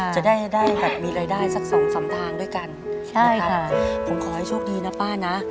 จะได้มีรายได้สักสองสำทางด้วยกันนะคะผมขอให้โชคดีนะป้านะ